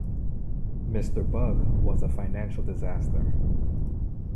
"Mr. Bug" was a financial disaster.